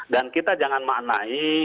dan kita jangan manai